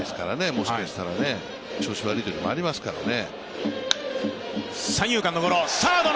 もしかしたら調子悪いときもありますからね。